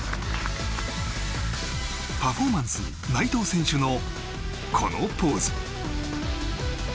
パフォーマンスは内藤選手のこのポーズ。